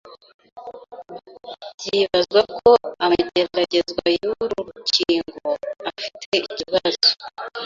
Byibazwa ko amageragezwa y'uru rukingo afite ikibazo